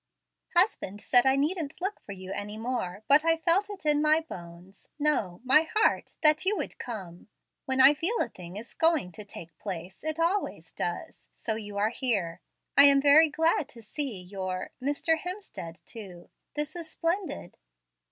"Husband said I needn't look for you any more, but I felt it in my bones no, my heart that you would come. When I feel a thing is going to take place it always does. So you are here. I am very glad to see your Mr. Hemstead too. This is splendid."